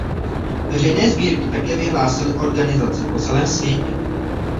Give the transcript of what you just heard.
Veřejné sbírky také vyhlásily organizace po celém světě.